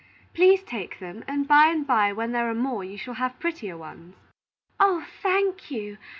Please take them, and by and by when there are more, you shall have prettier ones." "Oh, thank you!